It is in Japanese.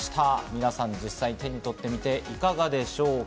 皆さん、実際に手にとって見ていかがでしょうか？